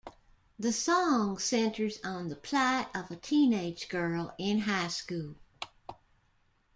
The song centers on the plight of a teenage girl in high school.